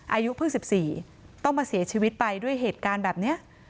อายุเพิ่ง๑๔ต้องมาเสียชีวิตไปด้วยเหตุการณ์แบบนี้